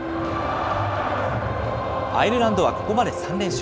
アイルランドはここまで３連勝。